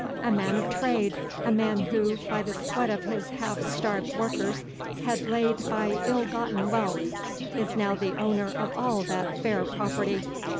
A man of trade a man who, by the sweat of his half starved workers, had laid by ill gotten wealth, is now the owner of all that fair property.